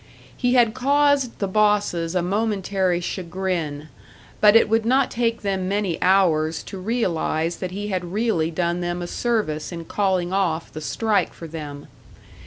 He had caused the bosses a momentary chagrin; but it would not take them many hours to realise that he had really done them a service in calling off the strike for them.